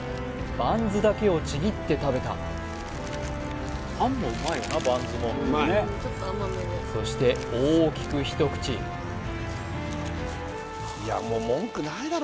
バンズだけをちぎって食べたそして大きく一口いやもう文句ないだろ